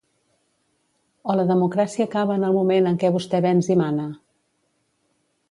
O la democràcia acaba en el moment en què vostè venç i mana?